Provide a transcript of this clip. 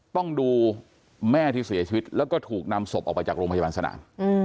ต้องดูแม่ที่เสียชีวิตแล้วก็ถูกนำศพออกไปจากโรงพยาบาลสนาม